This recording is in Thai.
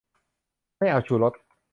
ไม่เอาชูรส